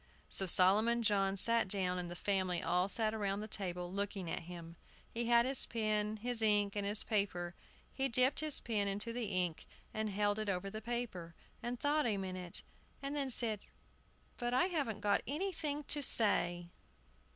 So Solomon John sat down, and the family all sat round the table looking at him. He had his pen, his ink, and his paper. He dipped his pen into the ink and held it over the paper, and thought a minute, and then said, "But I haven't got anything to say."